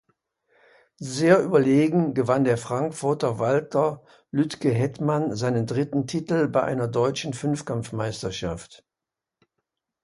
Sehr überlegen gewann der Frankfurter Walter Lütgehetmann seinen dritten Titel bei einer Deutschen Fünfkampfmeisterschaft.